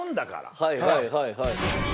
はいはいはいはい。